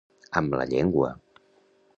Amb la llengua.